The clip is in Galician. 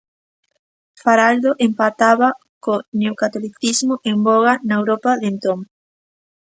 Faraldo empataba co neocatolicismo en voga na Europa de entón.